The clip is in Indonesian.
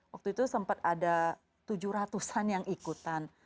waktu itu sempat ada tujuh ratusan yang ikutan